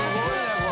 これ。